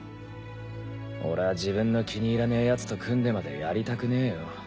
俺は自分の気に入らねえヤツと組んでまでやりたくねえよ。